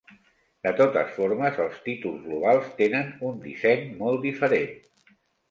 De totes formes, els títols globals tenen un disseny molt diferent.